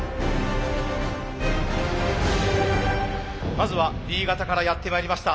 まずは新潟からやってまいりました